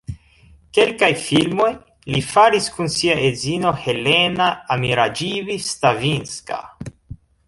Kelkaj filmoj li faris kun sia edzino Helena Amiraĝibi-Stavinska.